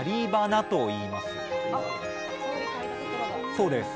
そうです。